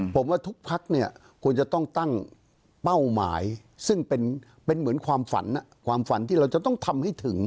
ผมว่าทุกพักเนี่ยควรจะต้องตั้งเป้าหมายซึ่งเป็นเหมือนความฝันความฝันที่เราจะต้องทำให้ถึง